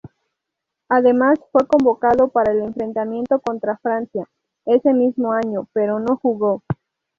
Además fue convocado para el enfrentamiento contra Francia ese mismo año, pero no jugó.